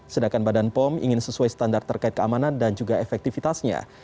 sedangkan badan pom ingin sesuai standar terkait keamanan dan juga efektivitasnya